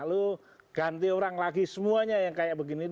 lalu ganti orang lagi semuanya yang kayak begini